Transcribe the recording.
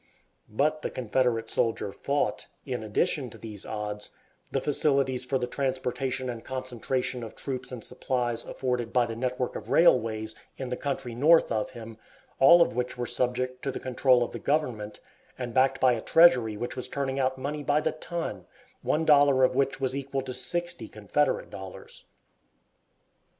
But the Confederate soldier fought, in addition to these odds, the facilities for the transportation and concentration of troops and supplies afforded by the network of railways in the country north of him, all of which were subject to the control of the government, and backed by a treasury which was turning out money by the ton, one dollar of which was equal to sixty Confederate dollars.